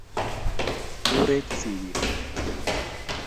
kureech sigiik